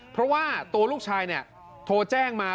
เพราะว่าตัวลูกชายโทรแจ้งมา